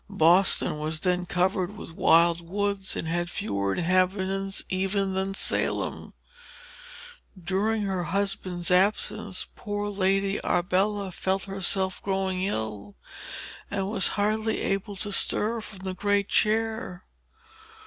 Boston was then covered with wild woods, and had fewer inhabitants even than Salem. During her husband's absence, poor Lady Arbella felt herself growing ill, and was hardly able to stir from the great chair.